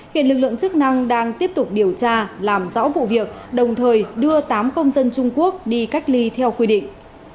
hiện lực lượng chức năng đang tiếp tục điều tra làm rõ vụ việc đồng thời đưa tám công dân trung quốc đi cách ly theo quy định